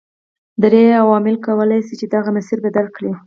درې عواملو کولای شول چې دغه مسیر بدل کړي.